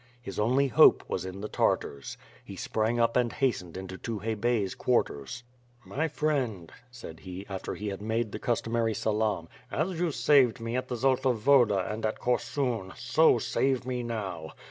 His only hope was in the Tartars. He sprang up and hast ened into Tukhay Be3r^8 quarters. "My friend," said he, after he had made the customary salaam, "as you saved me at the Zolta Woda and at Korsun, so save me now.